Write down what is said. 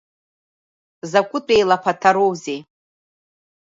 Закәытә еилаԥаҭароузеи!